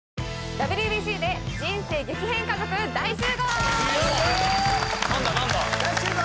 ＷＢＣで人生激変家族大集合。